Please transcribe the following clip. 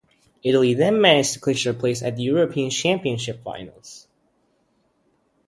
Italy then managed to clinch their place at the European Championship finals.